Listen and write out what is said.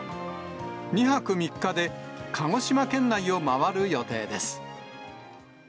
２泊３日で鹿児島県内を回る予定です。